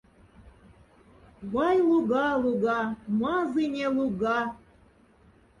Вай, луга, луга, мазыня луга!